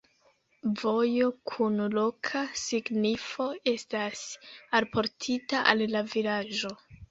Vojo kun loka signifo estas alportita al la vilaĝo.